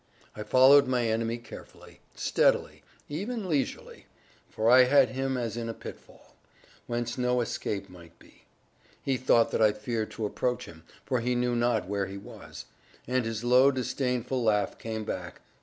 I followed my enemy carefully, steadily, even leisurely; for I had him as in a pitfall, whence no escape might be. He thought that I feared to approach him, for he knew not where he was; and his low disdainful laugh came back.